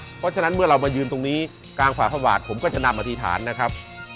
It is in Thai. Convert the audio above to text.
เพราะฉะนั้นเมื่อเรามายืนตรงนี้กลางฝ่าพระบาทผมก็จะนำอธิษฐานนะครับ